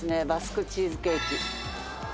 バスクチーズケーキ。